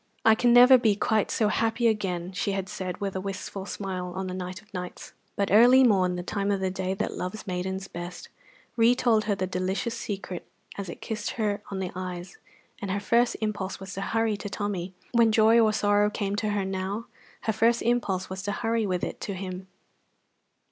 "I can never be quite so happy again!" she had said, with a wistful smile, on the night of nights; but early morn, the time of the day that loves maidens best, retold her the delicious secret as it kissed her on the eyes, and her first impulse was to hurry to Tommy. When joy or sorrow came to her now, her first impulse was to hurry with it to him.